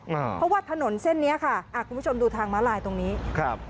มาเพราะว่าถนนเส้นเนี้ยค่ะอ่าคุณผู้ชมดูทางม้าลายตรงนี้ครับ